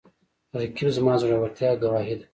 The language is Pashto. رقیب زما د زړورتیا ګواهي ده